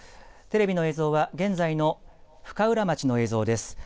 テレビの映像は現在の深浦町の映像です。